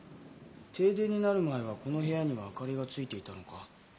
停電になる前はこの部屋には明かりがついていたのか。